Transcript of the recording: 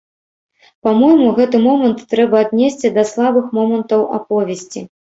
Па-мойму, гэты момант трэба аднесці да слабых момантаў аповесці.